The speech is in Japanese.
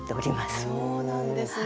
そうなんですね。